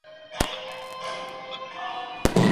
ریس وویل چي ښوونکي زموږ پاڼه وړاندي کړه.